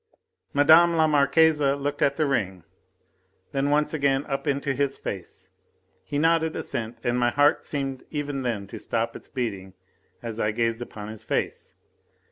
Madame la Marquise looked at the ring, then once again up into his face. He nodded assent, and my heart seemed even then to stop its beating as I gazed upon his face.